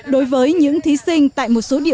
đối với những thí sinh tại môn thi thành phần đó